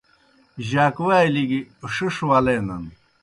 جاکوالیْ گیْ ݜِݜ ولینَن۔